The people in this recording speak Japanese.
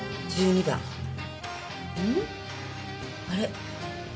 あれ？